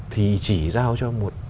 thì chỉ giao cho một